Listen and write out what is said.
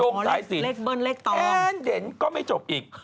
นี่อ๋อเลขเบิ้ลเลขต้องโยงสายสินแอ้นเด่นก็ไม่จบอีก